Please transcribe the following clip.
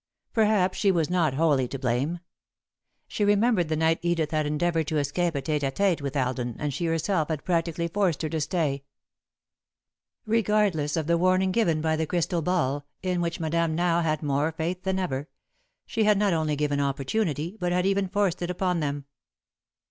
Perhaps she was not wholly to blame. She remembered the night Edith had endeavoured to escape a tête à tête with Alden and she herself had practically forced her to stay. Regardless of the warning given by the crystal ball, in which Madame now had more faith than ever, she had not only given opportunity, but had even forced it upon them.